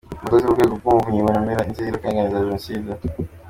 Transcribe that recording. Abakozi b’Urwego rw’Umuvunyi bunanira inzirakarengane za Jenoside .